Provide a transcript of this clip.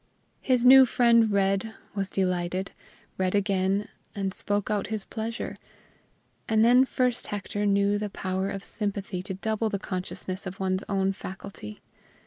His new friend read, was delighted; read again, and spoke out his pleasure; and then first Hector knew the power of sympathy to double the consciousness of one's own faculty.